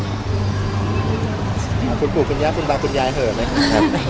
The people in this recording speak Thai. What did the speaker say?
คุณปูของคุณย่ายเหิ่นไหมคะ